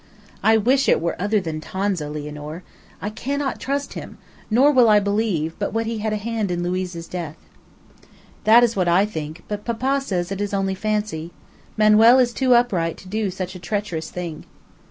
"I wish it were other than Tonza, Lianor. I cannot trust him; nor will I believe but what he had a hand in Luiz's death." "That is what I think, but papa says it is only fancy; Manuel is too upright to do such a treacherous thing."